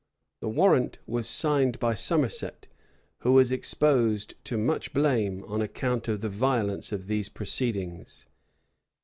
The warrant was signed by Somerset, who was exposed to much blame, on account of the violence of these proceedings.